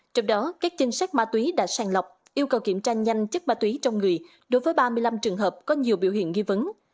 trong đó các chính sách ma túy đã sàn lọc yêu cầu kiểm tra nhanh chất ma túy trong người đối với ba mươi năm trường hợp có nhiều biểu hiện nghi vấn